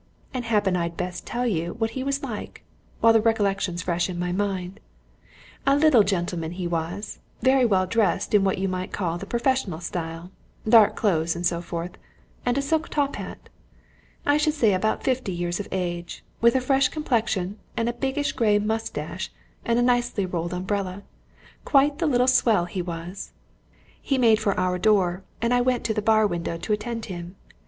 And happen I'd best tell you what like he was, while the recollection's fresh in my mind a little gentleman he was, very well dressed in what you might call the professional style; dark clothes and so forth, and a silk top hat; I should say about fifty years of age, with a fresh complexion and a biggish grey moustache and a nicely rolled umbrella quite the little swell he was. He made for our door, and I went to the bar window to attend to him.